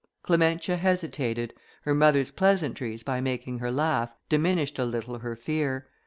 Clementia hesitated; her mother's pleasantries, by making her laugh, diminished a little her fear.